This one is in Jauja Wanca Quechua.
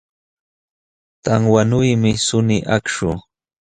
Tanwanuymi suni akshu